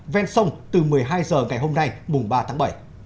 ven sông từ một mươi hai h ngày hôm nay mùng ba tháng bảy